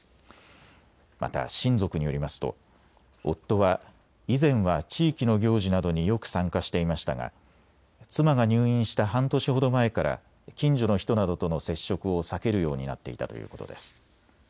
また、親族によりますと夫は以前は地域の行事などによく参加していましたが妻が入院した半年ほど前から近所の人などとの接触を避けるようになっていたということです。